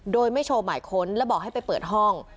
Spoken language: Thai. โดยไม่โชว์หมายค้นแล้วบอกให้ไปเปิดห้อง